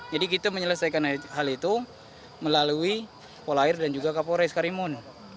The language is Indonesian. jadi kita menyelesaikan hal itu melalui pol air dan juga kapolres karimun